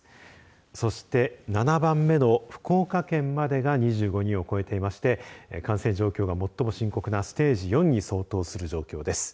そして７番目の福岡県までが２５人を超えていまして感染状況が最も深刻なステージ４に相当する状況です。